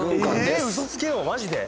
ウソつけよマジで？